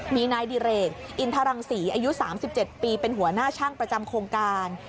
มีนายดิเรกอินทรังศรีอายุ๓๗ปีเป็นหัวหน้าช่างประจำโครงการ